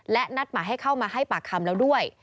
และนัดหมายให้เข้ามาให้ปากคำแล้วด้วย